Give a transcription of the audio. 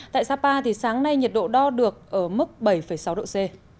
tại sapa sáng nay nhiệt độ đo được ở mức bảy sáu độ c